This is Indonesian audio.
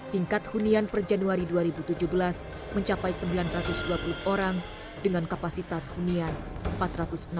tingkat hunian per januari dua ribu tujuh belas mencapai sembilan ratus dua puluh orang dengan kapasitas hunian empat ratus enam puluh